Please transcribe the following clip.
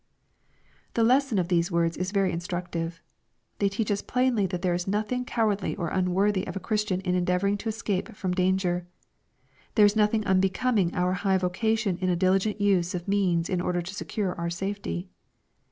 The lesson of these words is very instructive. They teach us plainly that there is nothing cowardly or un worthy of a Christian in endeavoring to escape from danger. There is nothing unbecoming our high vocation in a diligent use of means in order to secure our safety.